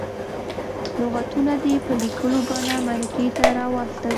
لغتونه دې په لیکلې بڼه مرکې ته راواستوي.